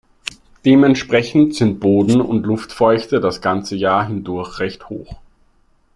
Dementsprechend sind Boden- und Luftfeuchte das ganze Jahr hindurch recht hoch.